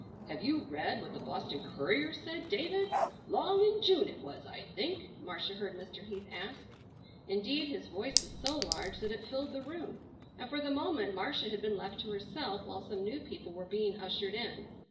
"Have you read what the Boston Courier said, David? 'Long in June it was I think," Marcia heard Mr. Heath ask. Indeed his voice was so large that it filled the room, and for the moment Marcia had been left to herself while some new people were being ushered in.